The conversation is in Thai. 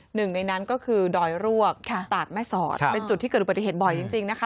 หนึ่งในนั้นก็คือดอยรวกตาดแม่สอดเป็นจุดที่เกิดอุบัติเหตุบ่อยจริงนะคะ